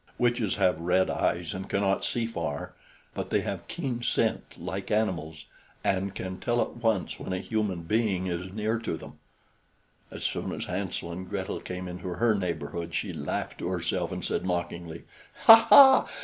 Witches have red eyes and cannot see far, but they have keen scent, like animals, and can tell at once when a human being is near to them. As soon as Hansel and Gretel came into her neighborhood she laughed to herself and said mockingly: "Ha, ha!